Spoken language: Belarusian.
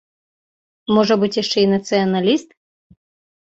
Можа быць, яшчэ і нацыяналіст.